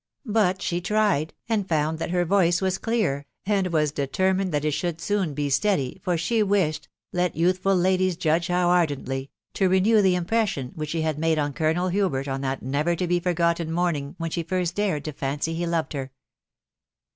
. but she tried, and found that her voice was cfeor, and wee determined that it should seen be steady^ for she msned .... let youthful ladies judge bow ardently ...... to rnnew the minmesiea which she had made on Colonel Hubert on that never ta ht> fwgolto morning when she fast dnred toihney beloved' her.